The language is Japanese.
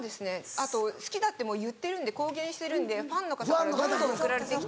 あと好きだってもう言ってるんで公言してるんでファンの方からどんどん送られてきて。